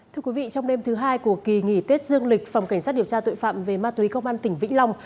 thưa quý vị trong đêm thứ hai của kỳ nghỉ tết dương lịch phòng cảnh sát điều tra tội phạm về ma túy công an tỉnh vĩnh long